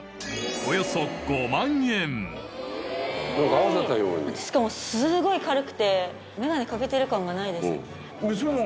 およそ５万円かわいいしかもすごい軽くてメガネかけてる感がないです。